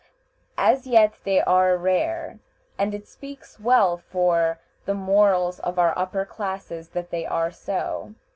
As yet they are rare; and it speaks well for the morals of our upper classes that they are so.